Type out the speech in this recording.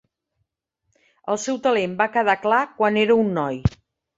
El seu talent va quedar clar quan era un noi.